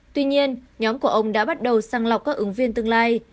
tuy nhiên nhóm của ông đã bắt đầu sang lọc các ứng viên tương lai